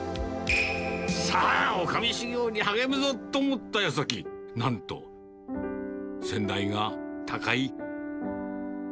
さあ、おかみ修業に励むぞと思ったやさき、なんと、先代が他界。